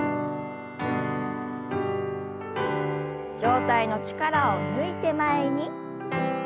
上体の力を抜いて前に。